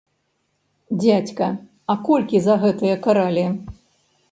Дзядзька, а колькі за гэтыя каралі?